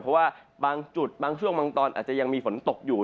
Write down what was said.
เพราะว่าบางจุดบางช่วงบางตอนอาจจะยังมีฝนตกอยู่